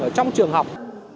ở trong trường học